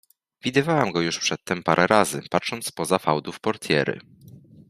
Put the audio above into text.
Widywałam go już przedtem parę razy, patrząc spoza fałdów portiery.